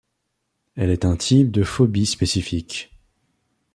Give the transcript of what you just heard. Elle est un type de phobie spécifique.